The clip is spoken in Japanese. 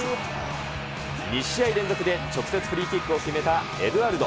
２試合連続で直接フリーキックを決めたエドゥアルド。